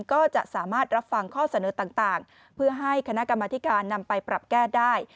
ก็จะสามารถรับฟังข้อเสนอต่างเพื่อให้คณะกรรมธิการนำไปปรับแก้ได้